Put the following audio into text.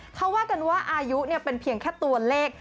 เขาว่ากันว่าอายุเป็นเพียงแค่ตัวเลข